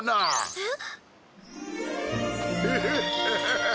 えっ！？